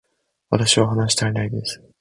私は話したりないです